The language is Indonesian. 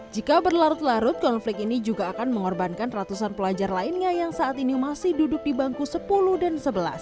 jika berlarut larut konflik ini juga akan mengorbankan ratusan pelajar lainnya yang saat ini masih duduk di bangku sepuluh dan sebelas